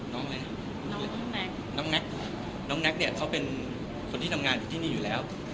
อะไรน้องแท็กน้องแน็กเนี่ยเขาเป็นคนที่ทำงานอยู่ที่นี่อยู่แล้ว